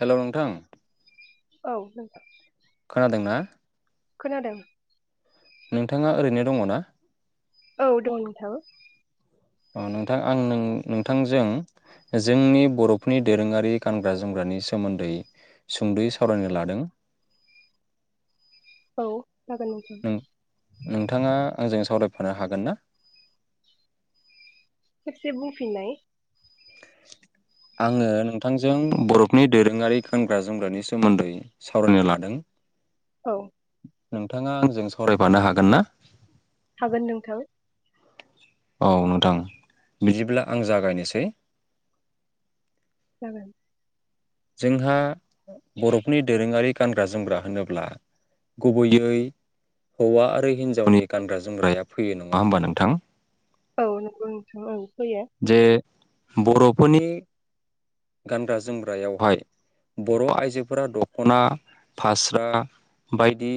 Hello नोंथां औ नोंथां। खोनादोंना? खोनादों। नोंथाङा ओरैनो दङ' ना? औ दङ' नोंथां। अ नोंथां आं नों नोंथांजों जोंनि बर'फोरनि दोरोंङारि गानग्रा जोमग्रानि सोमोन्दै सुंद'यै सावरायनो लादों। औ। जागोन नोंथां। नोंथांङा आंजों सावरायफानो हागोन ना? खेबसे बुंफिनाय आंङो नोंथांजों बर'फोरनि दोरोंङारि गानग्रा जोमग्रानि सोमोन्दै सावरायनो लादों। औ नोंथांङा आंजों सावरायफानो हागोन ना? हागोन नोंथां। औ नोंथां बिदिब्ला आं जागायनोसै। जागोन। जोंहा बर'फोरनि दोरोंङारि गानग्रा जोमग्रा होनोब्ला गुबैयै हौवा आरो हिन्जावनि गानग्रा जोमग्राया फैयो नंङा होमबा नोंथां? औ नंगौ नोंथां ओं फैयो। जे बर'फोरनि गानग्रा जोम ग्रायावहाय बर' आइजोफोरा दख'ना फास्रा बायदि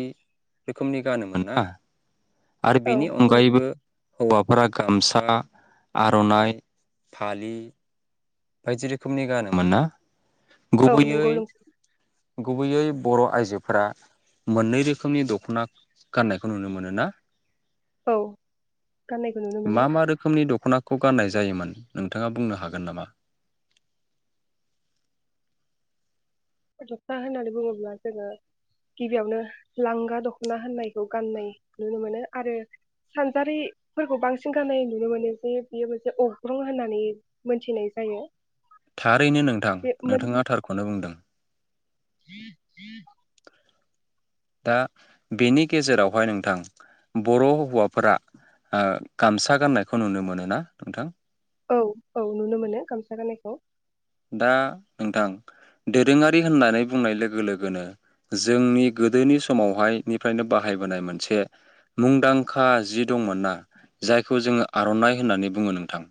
रोखोमनि गानोमोन ना आरो औ बेनि अनगायैबो नंगौ हौवा फोरा गामसा, आर'नाइ, फालि बायदि रोखोमनि गानोमोन ना? औ गुबैयै नंगौ नोंथां गुबैयै बर' आइजोफोरा मोननै रोखोमनि दख'ना गाननायखौ नुनो मोनो ना? औ गाननायखौ नुनो मोनो। ख'नाखौ गाननाय जायोमोन नोंथांङा बुंनो हागोन नामा? दख'ना होननानै बुङोब्ला जोंङो गिबियावनो लांगा दख'ना होननायखौ गाननाय नुनो मोनो आरो सानजारिफोरखौ बांसिन गाननाय नुनो मोनो जे बियो मोनसे अग्रं होननानै मोनथिनाय जायो। थारैनो नोंथां बे नोंथांङा थारखौनो बुंदों। ह ह दा बेनि गेजेरावहाय नोंथां बर' हौवाफोरा ओ गामसा गाननायखौ नुनो मोनो ना नोंथां? औ औ नुनो मोनो गामसा गाननायखौ। दा नोंथां दोरोङारि होननानै बुंनाय लोगो लोगोनो जोंनि गोदोनि समावहाय निफ्रायनो बाहायबोनाय मोनसे मुंदांखा जि दंमोन ना जायखौ जोंङो आर'नाइ होननानै बुङो नोंथां।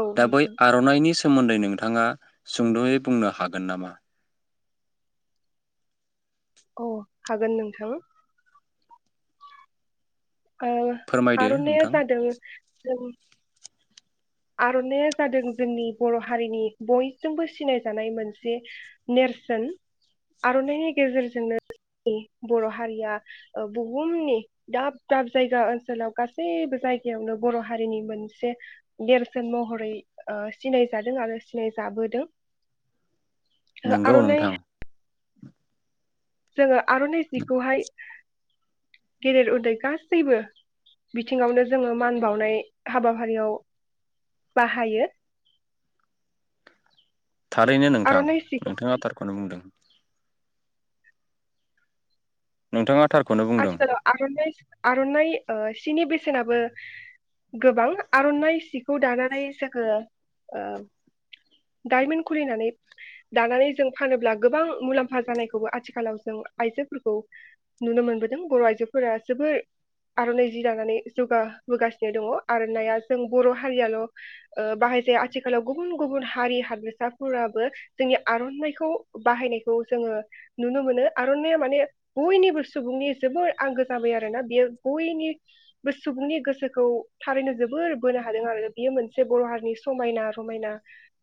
औ दा बै नोंथां। आर'नाइनि सा सोमोन्दै नोंथाङा सुंद'यै बुंनो हागोन नामा? अ हागोन नोंथां। ओ फोरमायदो आर'नाइया नोंथां जादों जों आर'नाया जादों जोंनि बर' हारिनि बयजोंबो सिनायजानाय मोनसे नेरसोन आर'नाइनि गेजेरजोंनो जोंनि बर' हारिया बुहुमनि दाब दाब जायगा ओनसोलाव गासैबो जायगायावनो बर' हारिनि मोनसे नेरसोन महरै ओ सिनायजादों आरो सिनायजाबोदों। ओ नोंगौ नोंथां। जोंङो आर'नाइ जिखौहाय गेदेर उन्दै गासैबो बिथिङावनो जोंङो मान बावनाय हाबाफारियाव बाहायो। थारैनो नोंथां आर'नाइ सिखौ नोंथांङा थारखौनो बुंदों। नोंथाङा थारखौनो बुंदों आथिखालाव आरनाय आरनाइ ओ सिनि बेसेनाबो गोबां आरनाइ सिखौ दानानै जोङो ओ दायमन खुलिनानै दानानै जों फानोब्ला गोबां मुलाम्फा जानायखौबो आथिखालाव जों आइजोफोरखौ नुनो मोनबो दों बर आइजोफोरा जोबोर आरनाइ जि लानानै जौगाबोगासिनो दङ आरनाइया जों बर हारियाल ओ बाहाय जाया आथिखालाव गुबुन गुबुन हारि हारिसाफोराबो जोंनि आरनाइखौ बाहायनायखौ जोङो नुनो मोनो आरनाइआ माने बयनिबो सुबुंनि जोबोर आंगो जाबाय आरोना बियो बयनिबो सुबुंनि गोसोखौ थारैनो जोबोर बोनो हादों आरो बियो मोनसे बर हारिनि समायना रमायना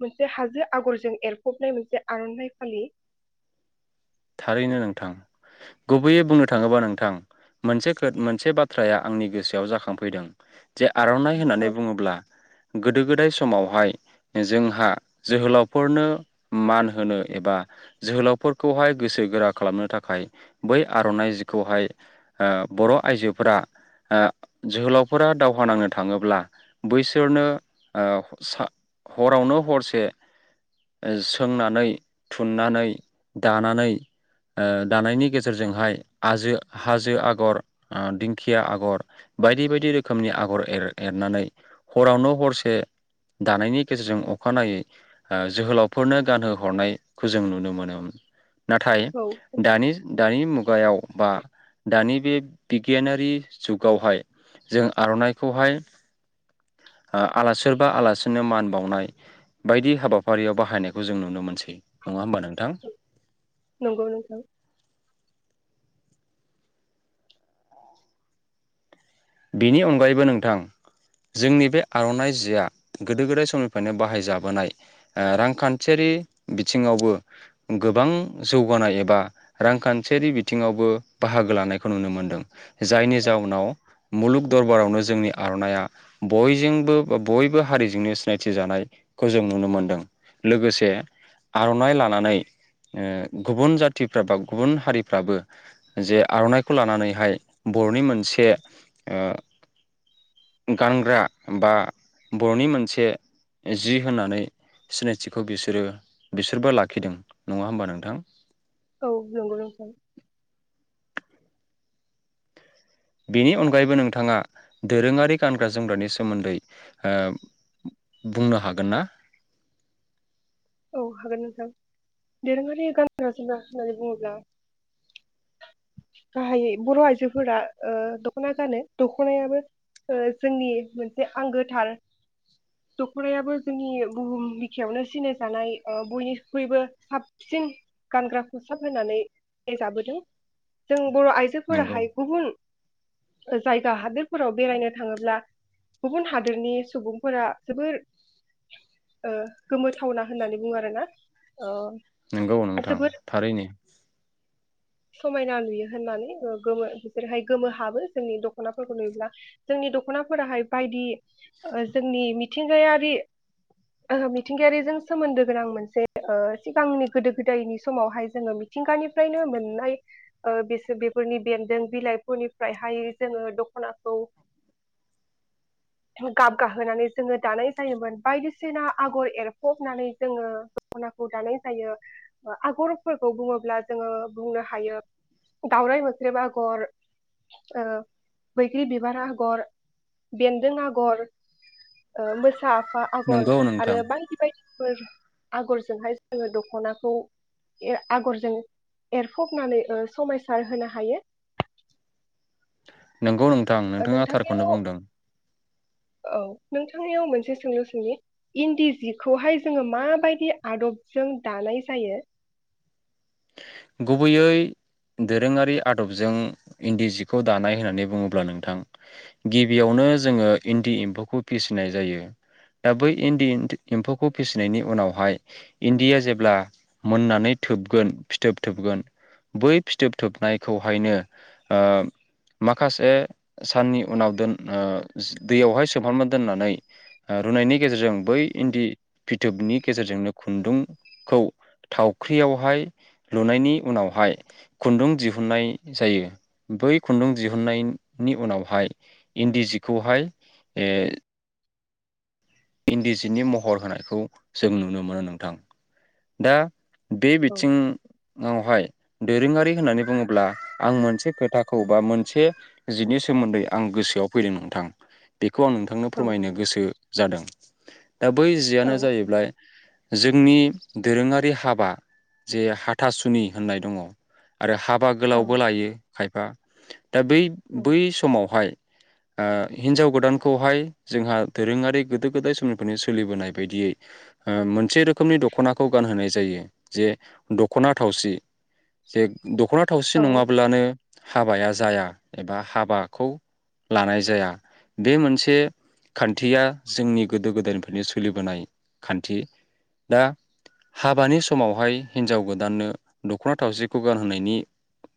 मोनसे हाजो आगरजों एरफबनाय मोनसे आरनाइ फालि। थारैनो नोंथां गुबैयै बुंनो थाङोबा नोंथां मोनसे खो मोनसे बाथ्राया आंनि गोसोआव जाखांफैदों जे आरनाइ होननानै औ बुङोब्ला गोदो गोदाय समावहाय जोंहा जोहोलावफोरनो मान होनो एबा जोहोलावफोरखौहाय गोसो गोरा खालामनो थाखाय बै आरनाइ जिखौहाय ओ बर आइजोफोरा ओ जोहोलावफोरा दावहा नांनो थाङोब्ला बैसोरनो ओ सा हरावनो हरसे सोंनानै थुननानै दानानै। ओ दानायनि गेजेरजोंहाय आजो हाजो आगर ओ दिंखिया आगर बायदि बायदि रोखोमनि आगर एर-एरनानै हरावनो हरसे दानायनि गेजेरजों अखानायै ओ जोहोलावफोरनो गानहो हरनायखौ जों नुनो मोनोमोन। नाथाय औ दनि दानि मु गायाव बा दानि बे बिगियानारि जुगावहाय जों आरनाइखौहाय ओ आला सोरबा आलासिनो मान बावनाय बायदि हाबाफारियाव बाहायनायखौ जों नुनो मोनसै। नङा होमबा नोंथां? नंगौ नोंथौ। बिनि अनगायैबो नोंथां जोंनि बे आरनाइ जिआ गोदो गोदाय समनिफ्रायनो बाहायजाबोनाय ओ रांखान्थियारि बिथिङावबो गोबां जौगानाय एबा रांखान्थियारि बिथिङावबो बाहागो लानायखौ नुनो मोनदों। जायनि जाउनाव मुलुग दरबारावनो जोंनि आरनाइया बयजोंबो बा बयबो हारिजोंनो सिनायथि जानायखौ जों नुनो मोनदों लोगोसे आरनाइ लानानै ओ गुबुन जाथिफ्र बा गुबुन हारिफ्राबो जे आरनाइखौ लानानैहाय बरनि मोनसे ओ गानग्रा बा बरनि मोनसे जि होननानै सिनायथिखौ बिसोरो बिसोरबो लाखिदों नङा होमबा नोंथां? औ नोंगौ नोंथां। बेनि अनगायैबो नोंथाङा दोरोङारि गानग्रा जोमग्रानि सोमोन्दै ओ बुंनो हागोन ना? औ हागोन नोंथां दोरोङारि गानग्रा जोमग्रा होननानै बुङोब्ला गाहायै बर आइजोफोरा ओ दखना गानो दखनायाबो ओ जोंनि मोनसे आंगोथार दखनायाबो जोंनि बुहुम बिखायावनो सिनाय जानाय ओ बयनिख्रुइबो साबसिन गानग्रा खसाब होननानै सिनाइ जाबोदों। जों बर नंगौ आइजोफोराहाय गुबुन जायगा हादोरफोराव बेरायनो थाङोब्ला गुबुन हादोरनि सुबुंफोरा जोबोर ओ गोमो थावना होननानै बुङो आरो ना ओ नोंगौ नोंथां जोबोर थारैनो। समायना नुयो होननानै ओ गोमो बिसोरहाय गोमो हाबो जोंनि दखनाफोरखौ नुयोब्ला जोंनि दखनाफोराहाय बायदि ओ जोंनि मिथिंगायारि [unintelligible] मिथिंगायारिजों सोमोन्दो गोनां मोनसे ओ सिगांनि गोदो गोदायनि समावहाय जोङो मिथिंगानिफ्रायनो मोनना य ओ बेसो बेफोरनि बेन्दों बिलाइफोरनिफ्रायहाय जोङो दखनाखौ गाब गाहोनानै जोङो दानाय जायोमोन बायदिसिना आगर एरफबनानै जोङो दखनाखौ दानाय जायो ओ आगरफोरखौ बुङोब्ला जोङो बुंनो हायो दावराय मोख्रेब आगर ओ बैग्रि बिबार आगर बेन्दों आगर ओ मोसा आगर नंगौ नोंथां आरो बायदि बायदिफोर आगरजोंहाय जोङो दखनाखौ एर आगरजों एर फबनानै ओ समायसार होनो हायो नंगौ नों थां ओ नोंथाङा नोंथांनियाव थारखौनो बुंदों औ नोंथांनियाव मोनसे सोंलु सोंनि इन्दि जिखौहाय जोङो माबायदि आदबजों दानाय जायो गुबैयै दोरोङारि आदबजों इन्दि जिखौ दानाय होननानै बुङोब्ला नोंथां गिबियावनो जोङो इन्दि एम्फौखौ फिसिनाय जायो दा बै इन्दि एम्फौखौ फिसिनायनि उनावहाय इन्दिया जेब्ला मोननानै थोबगोन फिथोब थोबगोन बै फिथोब थोबनायखौहायनो ओ माखासे साननि उनाव दोन ओ दैयावहाय सोमहाबना दोननानै ओ रुनायनि गेजेरजों बै इन्दि फिथोबनि गेजेरजोंनो खुन्दुंखौ थावख्रियावहाय लुनायनि उनावहाय खुन्दुं दिहुननाय जायो बै खुन्दुं दिहुननायनि उनावहाय इन्दि जिखौहाय ए इन्दि जिनि महर होनायखौ जों नुनो मोनो नोंथां दा बे औ बिथिङावहाय दोरोङारि होननानै बुङोब्ला आं मोनसे खोथाखौ बा मोनसे जिनि सोमोन्दै आं गोसोआव फैदों नोंथां बे खौ आं नोंथांनो औ फोरमायनो गोसो जादों [inaudible] दा बै जियानो औ जाहैबाय जोंनि दोरोङारि हाबा जे हाथासुनि होननाय दङ आरो हा बा गोलावबो औ लायो खायफा दा बै बै समावहाय आ हिनजाव गोदानखौहाय जोंहा दोरोङारि गोदो गोदाय समनिफ्रायनो सोलिबोनाय बायदियै ओ मोनसे रोखोमनि दखनाखौ गानहोनाय जायो जे दखना थावसि जे दखना औ थावसि नङाब्लानो हाबाया जाया एबा हाबाखौ लानाय जाया बे मोनसे खान्थिया जोंनि गोदो गोदायनिफ्रायनो सोलिबोनाय खान्थि दा हाबानि समावहाय हिनजाव गोदाननो दखना थावसिखौ गानहोनायनि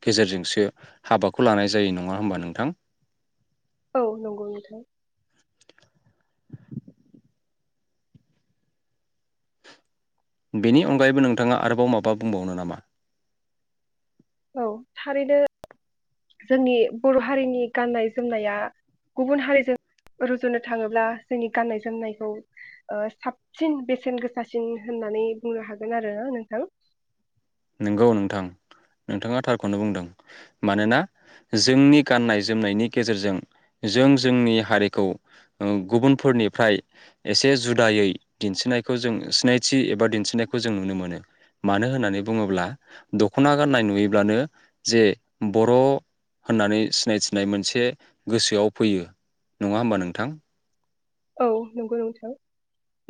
गेजेरजोंसो हाबाखौ लानाय जायो नङा होमबा नोंथां औ नंगौ नोंथां बेनि अनगायैबो नोंथाङा आरोबाव माबा बुंबावनो नामा औ थारैनो जोंनि बर हारिनि गाननाय जोमनाया गुबुन हारिजों रुजुनो थाङोब्ला जोंनि गाननाय जोमनायखौ ओ साबसिन बेसेन गोसासिन होननानै बुंनो हागोन आरो नोंथां नंगौ नोंथां नोंथाङा थारखौनो बुंदों मानोना जोंनि गाननाय जोमनायनि गेजेरजों जों जोंनि हारिखौ ओ गुबुनफोरनिफ्राय एसे जुदायै दिन्थिनायखौ जों सिनायथि एबा दिन्थिनायखौ जों नुनो मोनो मानो होननानै बुङोब्ला दखना गाननाय नुयोब्लानो जे बर होननानै सिनायथिनाय मोनसे गोसोआव फैयो नङा होमबा नोंथां औ नंगौ नोंथां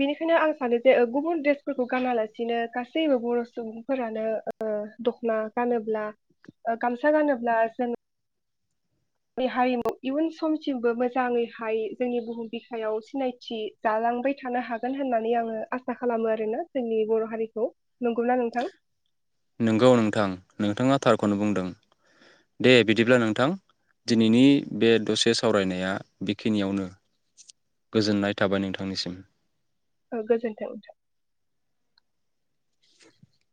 बेनिखायनो आं सानो जे गुबुन ड्रेसफोरखौ गानालासिनो गासैबो बर सुबुंफोरानो ओ दखना गानोब्ला ओ गामसा गानोब्ला जों नि हारिमु इयुन समसिमबो मोजाङैहाय जोंनि बुहुम बिखायाव सिनायथि जालांबाय थानो हागोन होननानै आङो आसा खालामो आरोना जोंनि बर हारिखौ नंगौना नोंथां नंगौ नोंथां नोंथाङा थारखौनो बुंदों दे बिदिब्ला नोंथां दिनैनि बे दसे सावरायनाया बेखिनियावनो गोजोननाय थाबाय नोंथांनिसिम [unintelligible] गोजोन्थों [inaudible]